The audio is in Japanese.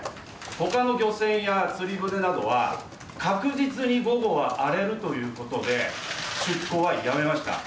他の漁船や釣り船などは確実に午後は荒れるということで出港はやめました。